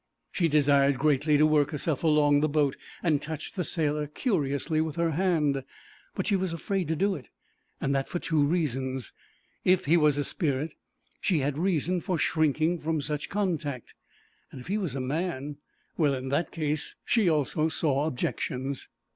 She desired greatly to work herself along the boat and touch the sailor curiously with her hand, but she was afraid to do it, and that for two reasons: if he was a spirit she had reason for shrinking from such contact, and if he was a man well, in that case she also saw objections.